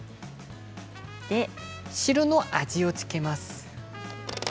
汁の味を付けます。